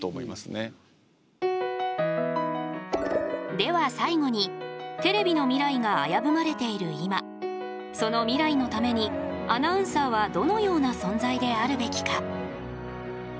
では最後にテレビの未来が危ぶまれている今その未来のためにアナウンサーはどのような存在であるべきか？